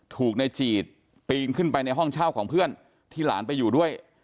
ถูกในจีดปีนขึ้นไปในห้องเช่าของเพื่อนที่หลานไปอยู่ด้วย